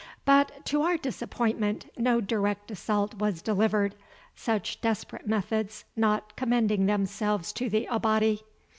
But, to our disappointment, no direct assault was delivered, such desperate methods not commending themselves to the Abati.